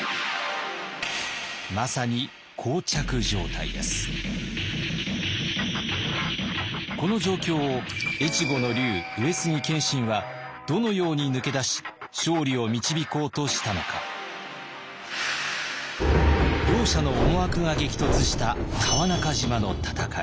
まさにこの状況を越後の龍上杉謙信はどのように抜け出し勝利を導こうとしたのか。両者の思惑が激突した川中島の戦い。